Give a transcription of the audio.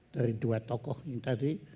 dari dua tokoh ini tadi